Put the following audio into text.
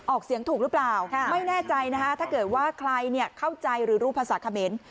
ออกเสียงถูกหรือเปล่าไม่แน่ใจนะฮะถ้าเกิดว่าใครเข้าใจหรือรู้ภาษาเขมร